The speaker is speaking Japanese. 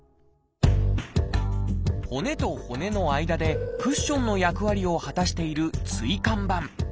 骨と骨の間でクッションの役割を果たしている椎間板。